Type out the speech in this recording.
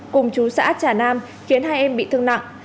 cùng chú xã trà nam khiến hai em bị thương nặng